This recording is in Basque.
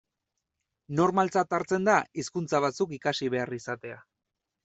Normaltzat hartzen da hizkuntza batzuk ikasi behar izatea.